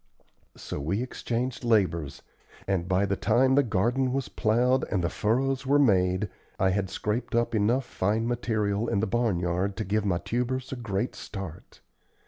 So we exchanged labors, and by the time the garden was plowed and the furrows were made I had scraped up enough fine material in the barnyard to give my tubers a great start.